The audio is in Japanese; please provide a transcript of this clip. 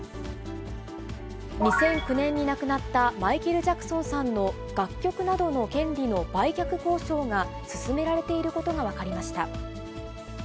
２００９年に亡くなったマイケル・ジャクソンさんの楽曲などの権利の売却交渉が進められていることが分かりました。